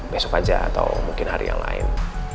besok aja atau mungkin hari yang lain